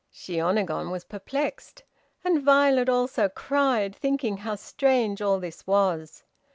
Shiônagon was perplexed, and Violet also cried, thinking how strange all this was.